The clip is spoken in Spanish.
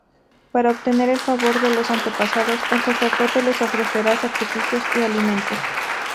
Para obtener el favor de los antepasados, el sacerdote les ofrecerá sacrificios y alimentos.